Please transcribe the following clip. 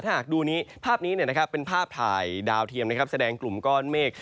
ถ้าหากดูภาพนี้เป็นภาพถ่ายดาวเทียมแสดงกลุ่มก้อนเมฆ